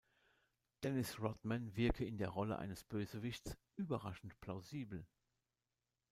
Dennis Rodman wirke in der Rolle eines Bösewichts „"überraschend plausibel"“.